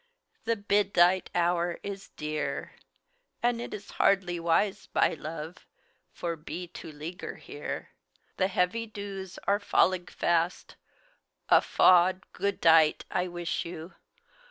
The bid dight hour is dear; Add it is hardly wise, by love, For be to ligger here. The heavy dews are fallig fast: A fod good dight I wish you.